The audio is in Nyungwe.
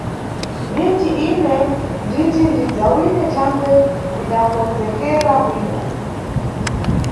Ninti ine nditi ndidzawine thangwe ndidakondzekera bwino.